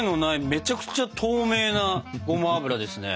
めちゃくちゃ透明なごま油ですね。